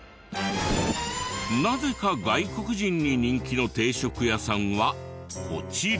なぜか外国人に人気の定食屋さんはこちら。